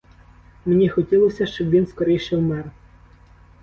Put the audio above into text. Мені хотілося, щоб він скоріше вмер.